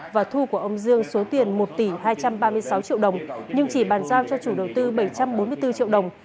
và thu của ông dương số tiền một tỷ hai trăm ba mươi sáu triệu đồng nhưng chỉ bàn giao cho chủ đầu tư bảy trăm bốn mươi bốn triệu đồng